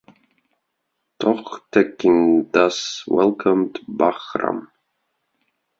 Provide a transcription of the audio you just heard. Toghtekin thus welcomed Bahram.